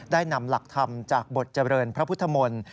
ได้นำหลักธรรมจากบทเจริญพระพุทธมนตร์